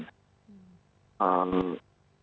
masyarakatnya masih banyak yang berpengalaman di sini